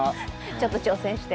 ちょっと挑戦して。